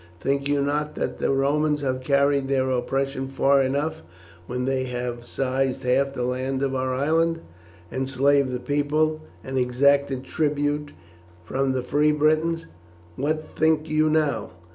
Think you not that the Romans have carried their oppression far enough when they have seized half the land of our island, enslaved the people, and exacted tribute from the free Britons? What think you, now?